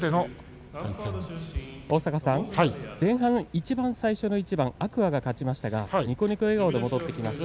前半いちばん最初の一番天空海が勝ちましたがにこにこ笑顔で戻ってきました。